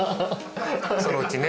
そのうちね。